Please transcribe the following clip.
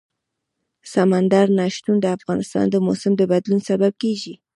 سمندر نه شتون د افغانستان د موسم د بدلون سبب کېږي.